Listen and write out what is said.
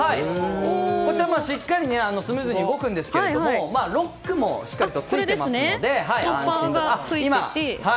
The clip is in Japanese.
こちら、しっかりスムーズに動くんですけどもロックもしっかりついていますので安心です。